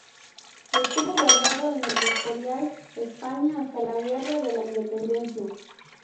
Estuvo guardado en El Escorial, España hasta la guerra de la Independencia.